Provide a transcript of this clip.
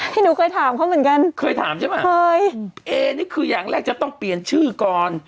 หนูเคยถามเขาเหมือนกันเคยถามใช่ไหมเคยเอนี่คืออย่างแรกจะต้องเปลี่ยนชื่อก่อน